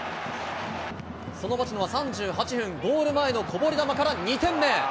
その町野は３８分、ゴール前のこぼれ球から２点目。